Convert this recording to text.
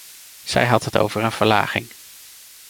Zij had het over een verlaging.